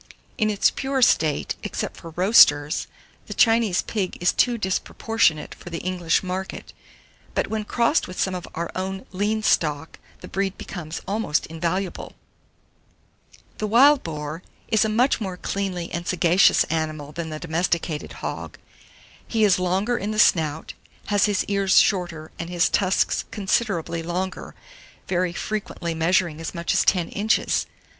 In its pure state, except for roasters, the Chinese pig is too disproportionate for the English market; but when crossed with some of our lean stock, the breed becomes almost invaluable. [Illustration: WESTPHALIAN BOAR.] 787. THE WILD BOAR is a much more cleanly and sagacious animal than the domesticated hog; he is longer in the snout, has his ears shorter and his tusks considerably longer, very frequently measuring as much as 10 inches.